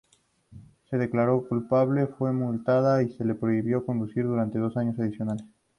Se declaró culpable, fue multada y se le prohibió conducir durante dos años adicionales.